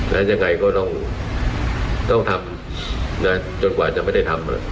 และยังไงก็ต้องต้องทำง่ายเจ็บกว่าจะไม่ได้ทำมัน